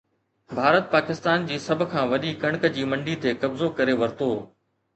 ڀارت پاڪستان جي سڀ کان وڏي ڪڻڪ جي منڊي تي قبضو ڪري ورتو